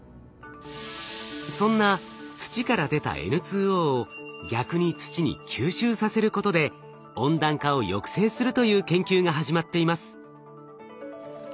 そんな土から出たＮＯを逆に土に吸収させることで温暖化を抑制するという研究が始まっています。